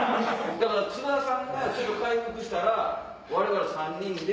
だから津田さんが回復したら我々３人で。